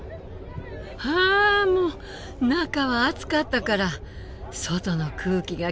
はあもう中は暑かったから外の空気が気持ちいい！